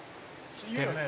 「知ってるね」